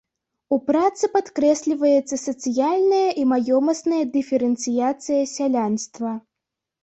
У працы падкрэсліваецца сацыяльная і маёмасная дыферэнцыяцыя сялянства.